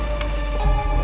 mas al dimasukkan ke rumah